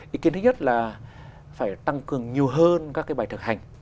ý kiến thứ nhất là phải tăng cường nhiều hơn các cái bài thực hành